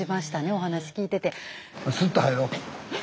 お話聞いてて。